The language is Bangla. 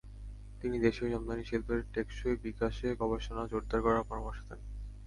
তিনি দেশীয় জামদানি শিল্পের টেকসই বিকাশে গবেষণা জোরদার করার পরামর্শ দেন।